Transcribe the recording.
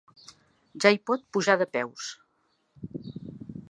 Ja hi pot pujar de peus.